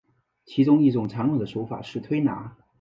其中一种常用的手法是推拿。